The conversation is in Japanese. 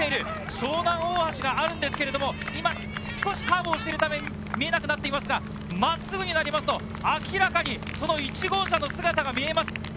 湘南大橋があるんですが少しカーブしているので、見えなくなっていますが、真っすぐになると明らかに１号車の姿が見えます。